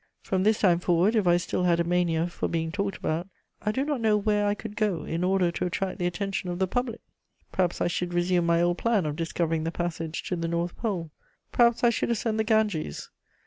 From this time forward, if I still had a mania for being talked about, I do not know where I could go in order to attract the attention of the public: perhaps I should resume my old plan of discovering the passage to the North Pole; perhaps I should ascend the Ganges.